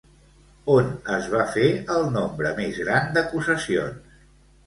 On es va fer el nombre més gran d'acusacions?